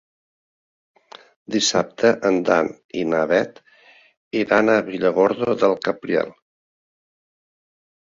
Dissabte en Dan i na Bet iran a Villargordo del Cabriel.